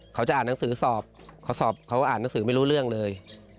เขาจะอ่านหนังสือสอบเขาสอบเขาอ่านหนังสือไม่รู้เรื่องเลย